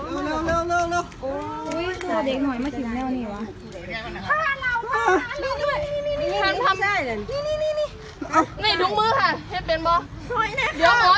หลอกหลอกหลอกหลอกหลอกหลอก